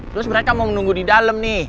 terus mereka mau menunggu di dalam nih